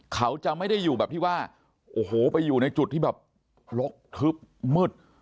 เขาจะไม่ได้อยู่แบบที่ว่าโอ้โหไปอยู่ในจุดที่แบบลกทึบมืด